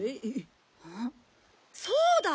そうだ！